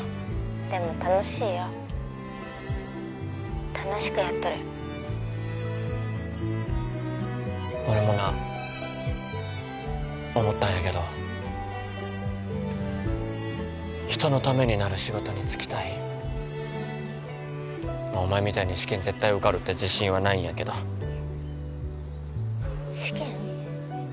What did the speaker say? ☎でも楽しいよ☎楽しくやっとる俺もな思ったんやけど人のためになる仕事に就きたいお前みたいに試験絶対受かるって自信はないんやけど☎試験？